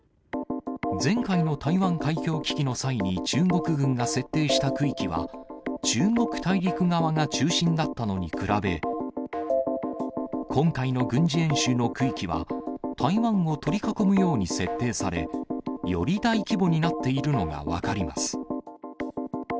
前回の台湾海峡危機の際に中国軍が設定した区域は、中国大陸側が中心だったのに比べ、今回の軍事演習の区域は、台湾を取り囲むように設定され、より大規模になっているのが分かります。